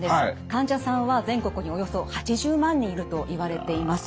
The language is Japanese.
患者さんは全国におよそ８０万人いるといわれています。